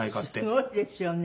すごいですよね。